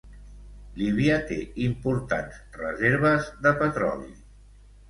Líbia té importants reserves de petroli.